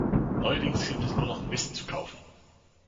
Neuerdings gibt es nur noch Mist zu kaufen.